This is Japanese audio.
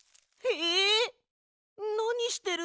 えっ？